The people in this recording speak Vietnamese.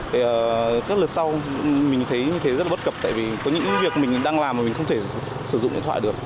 thì các lần sau mình thấy như thế rất là bất cập tại vì tôi nghĩ việc mình đang làm mà mình không thể sử dụng điện thoại được